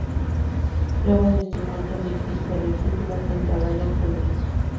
Luego en "Destination X" perdió el título frente a Brian Kendrick.